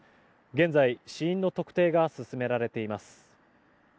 現在、死因の特定が進められています。